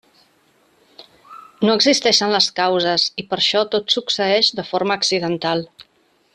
No existeixen les causes, i per això tot succeeix de forma accidental.